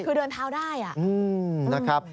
คือเดินเท้าได้